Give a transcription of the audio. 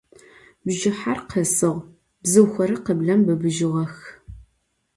Bjjıher khesığ, bzıuxeri khıblem bıbıjığex.